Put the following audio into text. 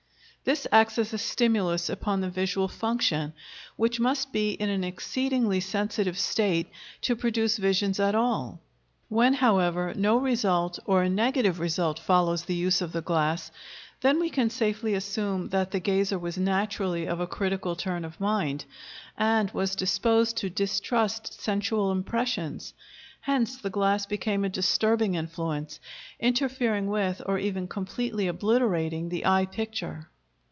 This acts as a stimulus upon the visual function, which must be in an exceedingly sensitive state to produce visions at all. When, however, no result or a negative result follows the use of the glass, then we can safely assume that the gazer was naturally of a critical turn of mind, and was disposed to distrust sensual impressions; hence the glass became a disturbing influence, interfering with or even completely obliterating the eye picture.